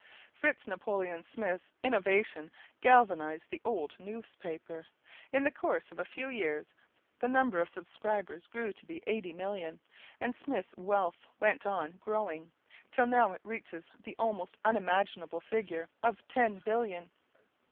Fritz Napoleon Smith's innovation galvanized the old newspaper. In the course of a few years the number of subscribers grew to be 85,000,000, and Smith's wealth went on growing, till now it reaches the almost unimaginable figure of $10,000,000,000.